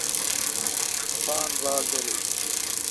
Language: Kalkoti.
پان باڑ داریل۔